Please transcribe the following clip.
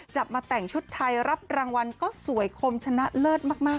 จับมาแต่งชุดไทยรับรางวัลก็สวยคมชนะเลิศมาก